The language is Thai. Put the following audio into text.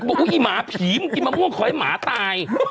บอกอีหมาผีมึงกินมะม่วงขอให้หมาตาย